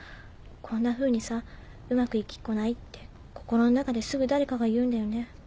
こんなふうにさうまく行きっこないって心の中ですぐ誰かが言うんだよね。